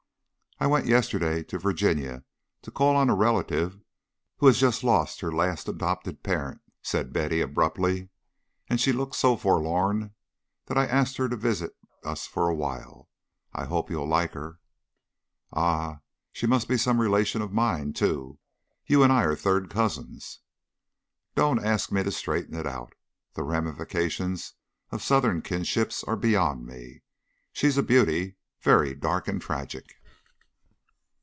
"I went yesterday to Virginia to call on a relative who has just lost her last adopted parent," said Betty, abruptly, "and she looked so forlorn that I asked her to visit us for a while. I hope you'll like her." "Ah? She must be some relation of mine, too. You and I are third cousins." "Don't ask me to straighten it out. The ramifications of Southern kinships are beyond me. She is a beauty very dark and tragic."